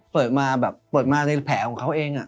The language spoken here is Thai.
เปิดมาแบบเปิดมาในแผลของเขาเอง